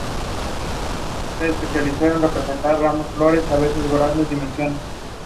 In later life he was to suffer blindness.